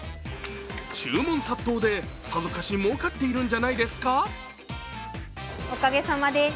注文殺到でさぞかしもうかっているんじゃないですか。